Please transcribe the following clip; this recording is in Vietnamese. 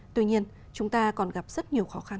tuy nhiên chúng ta còn gặp rất nhiều khó khăn